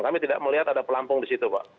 kami tidak melihat ada pelampung disitu pak